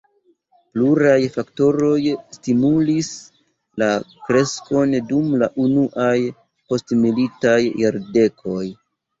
Pluraj faktoroj stimulis la kreskon dum la unuaj postmilitaj jardekoj.